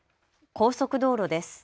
高速道路です。